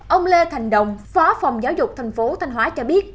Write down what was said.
ông lê thành đồng phó phòng giáo dục thành phố thanh hóa cho biết